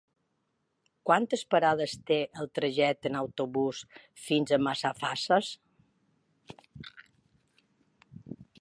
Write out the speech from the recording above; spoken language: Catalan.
Quantes parades té el trajecte en autobús fins a Massalfassar?